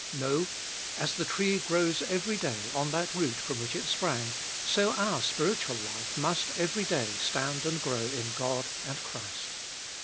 No, as the tree grows every day on that root from which it sprang, so our spiritual life must every day stand and grow in God and Christ.